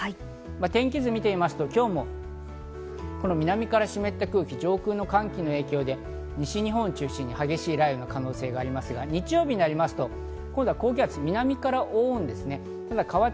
天気図を見てみますと、今日も南から湿った空気、上空の寒気の影響で西日本を中心に激しい雷雨の可能性がありますが、日曜日なりますと高気圧が南から覆うんですね。